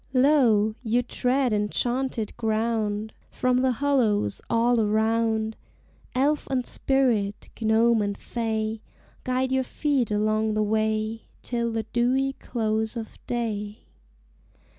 Lo! you tread enchanted ground! From the hollows all around Elf and spirit, gnome and fay, Guide your feet along the way Till the dewy close of day.